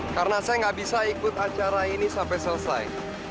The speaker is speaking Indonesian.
karena saya gak bisa ikut acara ini sampai selesai